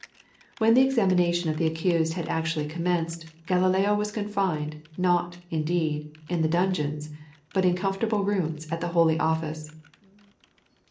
When the examination of the accused had actually commenced, Galileo was confined, not, indeed, in the dungeons, but in comfortable rooms at the Holy Office.